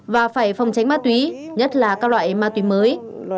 và phải phòng tránh ma túy nhất là các loại ma túy mới